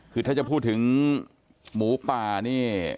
คือถ้าจะพูดถึงหมูป่านี่